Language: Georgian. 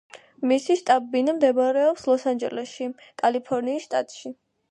მისი შტაბ-ბინა მდებარეობს ლოს-ანჯელესში, კალიფორნიის შტატში.